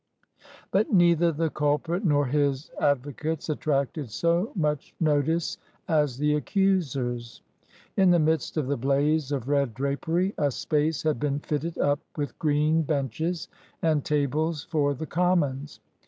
But neither the culprit nor his advocates attracted so much notice as the accusers. In the midst of the blaze of red drapery, a space had been fitted up with green benches and tables for the Commons.